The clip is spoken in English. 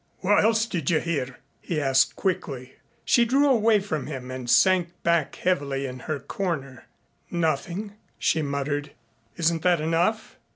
"What else did you hear?" he asked quickly. She drew away from him and sank back heavily in her corner. "Nothing," she muttered. "Isn't that enough?"